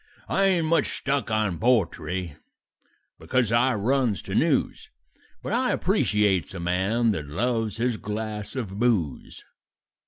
"I ain't much stuck on poetry, because I runs to news, But I appreciates a man that loves his glass of booze.